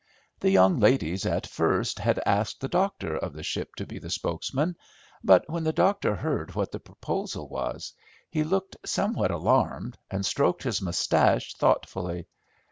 The young ladies at first had asked the doctor of the ship to be the spokesman; but when the doctor heard what the proposal was, he looked somewhat alarmed, and stroked his moustache thoughtfully.